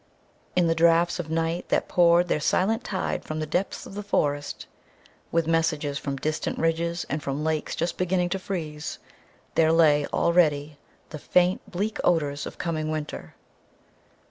In the draughts of night that poured their silent tide from the depths of the forest, with messages from distant ridges and from lakes just beginning to freeze, there lay already the faint, bleak odors of coming winter.